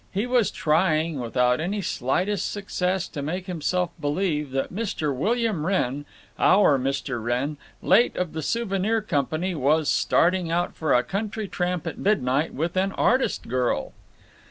He was trying, without any slightest success, to make himself believe that Mr. William Wrenn, Our Mr. Wrenn, late of the Souvenir Company, was starting out for a country tramp at midnight with an artist girl.